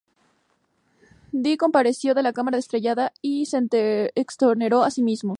Dee compareció en la "Cámara estrellada" y se exoneró a sí mismo.